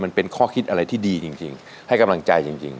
มันเป็นข้อคิดอะไรที่ดีจริงให้กำลังใจจริง